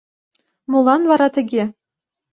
Молан вара тыге?